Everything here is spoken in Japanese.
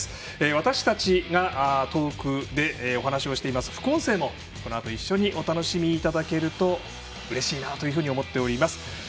私たちがトークでお話をしている副音声も、このあと一緒にお楽しみいただけるとうれしいなと思っております。